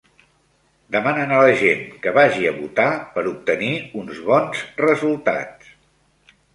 Demanen a la gent que vagi a votar per obtenir uns bons resultats